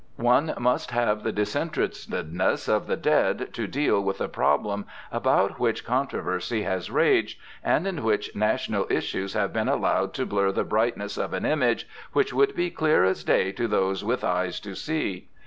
One must have the disinterestedness of the dead to deal with a problem about which controversy has raged, and in which national issues have been allowed to blur the brightness of an image which would be clear as day to those with eyes to see.